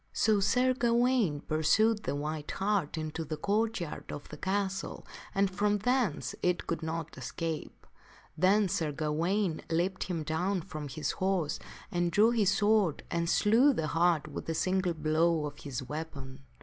So Sir Gawaine pursued the white hart into the court yard &> Gawaine of the castle and from thence it could not escape. Then siayeth the Sir Gawaine leaped him down from his horse and drew w lte art ' his sword and slew the hart with a single blow of his weapon.